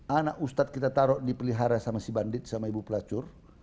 anak ustadz kita taruh dipelihara sama si bandit sama ibu pelacur